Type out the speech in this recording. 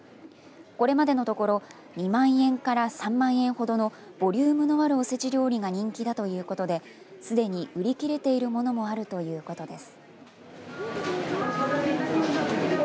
これまでのところ２万円から３万円ほどのボリュームのあるおせち料理が人気だということですでに売り切れているものもあるということです。